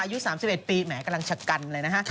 อายุ๓๑ปีแหมกำลังชะกันเลยนะฮะ